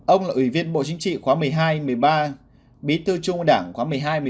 ông là ủy viên bộ chính trị khóa một mươi hai một mươi ba bí thư trung đảng khóa một mươi hai một mươi ba